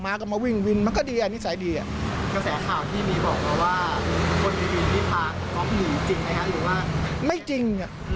ไม่จริง